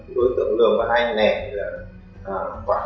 đối tượng lường văn anh này